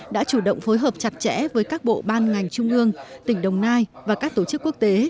đã chủ động phối hợp chặt chẽ với các bộ ban ngành trung ương tỉnh đồng nai và các tổ chức quốc tế